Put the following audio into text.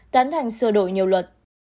tán thành sửa đổi nhiều luật